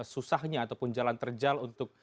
susahnya ataupun jalan terjal untuk